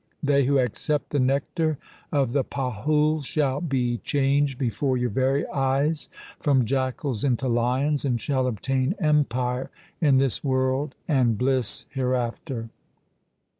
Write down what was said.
They who accept the nectar of the pahul shall be changed before your very eyes from jackals into lions, and shall obtain empire in this world and bliss hereafter.'